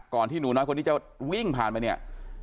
ที่หนูน้อยคนนี้จะวิ่งผ่านไปเนี่ย